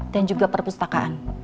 dan juga perpustakaan